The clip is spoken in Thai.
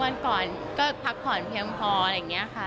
วันก่อนก็พักผ่อนเพียงพออะไรอย่างนี้ค่ะ